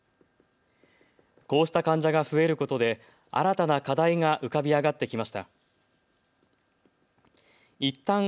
こうした患者が増えることで新たな課題が浮かび上がってきました。